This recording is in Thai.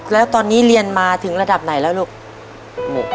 แล้วตอนนี้เรียนมาถึงระดับไหนแล้วลูก